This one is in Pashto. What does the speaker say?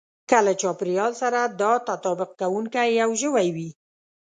که له چاپېريال سره دا تطابق کوونکی يو ژوی وي.